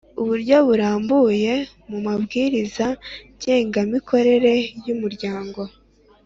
Uburyo burambuye mu mabwiriza ngengamikorere y umuryango